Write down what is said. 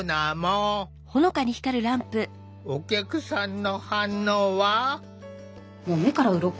お客さんの反応は？